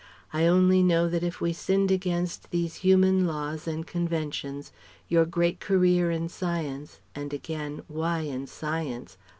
I only know that if we sinned against these human laws and conventions, your great career in Science and again, why in Science?